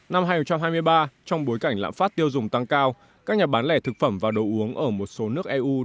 năm hai nghìn hai mươi ba trong bối cảnh lạm phát tiêu dùng tăng cao các nhà bán lẻ thực phẩm và đồ uống ở một số nước eu